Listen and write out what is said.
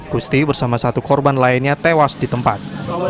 gusti bersama satu korban lainnya tewas di tempat